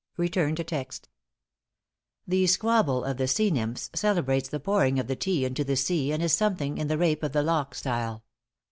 * MS, Letter to Mrs, Warren, Dec, 36th, 1790, "The Squabble of the Sea Nymphs," celebrates the pouring of the tea into the sea, and is something in the Rape of the Lock style.